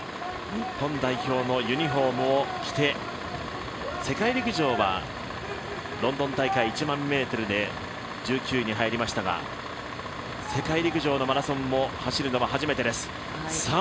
日本代表のユニフォームを着て世界陸上はロンドン大会１００００ｍで１９位に入りましたが世界陸上のマラソンも走るのは初めてです。